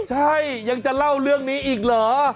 ใช่ยังจะเล่าเรื่องนี้อีกเหรอ